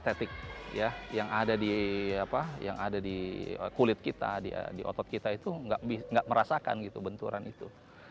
sensor kinesis itu adalah kondisi estetik yang ada di kulit kita di otot kita itu tidak merasakan benturan itu